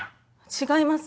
違います。